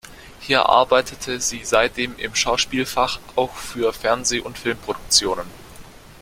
Hier arbeitete sie seitdem im Schauspielfach, auch für Fernseh- und Filmproduktionen.